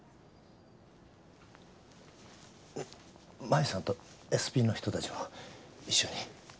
真衣さんとＳＰの人たちも一緒に。